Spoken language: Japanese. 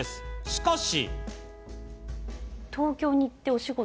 しかし。